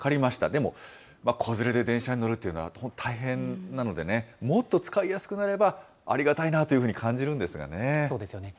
でも、子連れで電車に乗るというのはとても大変なのでね、もっと使いやすくなれば、ありがたいなというふうに感じるんですそうですよね。